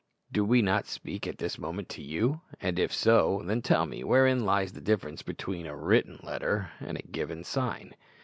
_ Do we not speak at this moment to you? and if so, then tell me wherein lies the difference between a written letter and a given _sign?